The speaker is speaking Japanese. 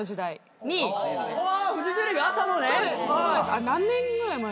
あれ何年ぐらい前？